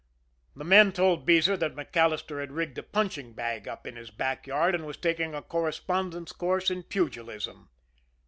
The men told Beezer that MacAllister had rigged a punching bag up in his back yard, and was taking a correspondence course in pugilism.